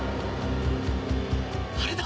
あれだ！